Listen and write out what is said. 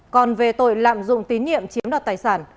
còn về tội lạm dụng tín nhiệm chiếm đoạt tài sản